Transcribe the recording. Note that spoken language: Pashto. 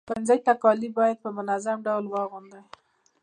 ښوونځي ته کالي باید په ځانګړي ډول واغوندئ.